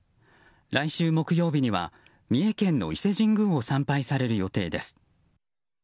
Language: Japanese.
来週木曜日には三重県の伊勢神宮を参拝される予定です。